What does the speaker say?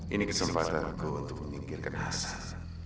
ini kesempatan aku untuk memikirkan hasan